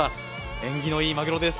縁起のいいまぐろです。